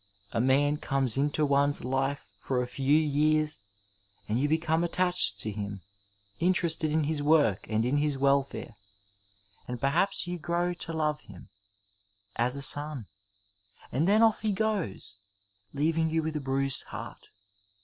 A man comes into one's life for a few years, and you become attached to him, interested in his work and in his welfare, and perhaps you grow to love him, as a son, and then off he goes !— leaving you with a bruised heart.